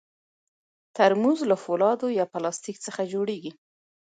ترموز له فولادو یا پلاستیک څخه جوړېږي.